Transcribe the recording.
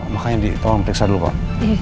makanya tolong periksa dulu pak